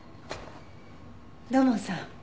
土門さん。